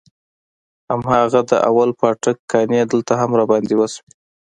هماغه د اول پاټک کانې دلته هم راباندې وسوې.